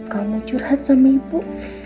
kamu curhat sama ibu